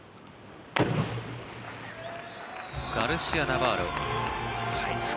ガルシア・ナバロ